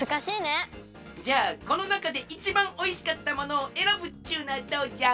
じゃあこのなかでいちばんおいしかったものをえらぶっちゅうのはどうじゃ？